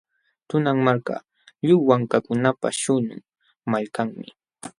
Tunan Marka, lliw wankakunapa śhunqu malkanmi.